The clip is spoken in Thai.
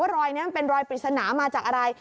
รอยนี้มันเป็นรอยปริศนามาจากอะไร